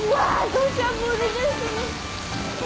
どしゃ降りですね！